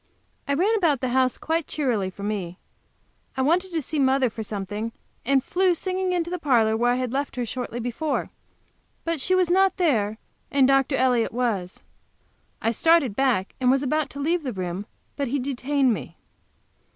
I ran about the house quite cheerily, for me. I wanted to see mother for something, and flew singing into the parlor, where I had left her shortly before. But she was not there, and Dr. Elliott was. I started back, and was about to leave the room, but he detained me.